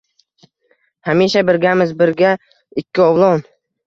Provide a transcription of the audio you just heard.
Hamisha birgamiz, birga ikovlon!